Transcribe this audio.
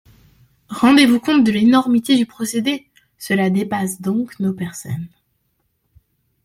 Rendez-vous compte de l’énormité du procédé ! Cela dépasse donc nos personnes.